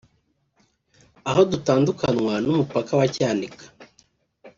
aho dutandukanywa n’umupaka wa Cyanika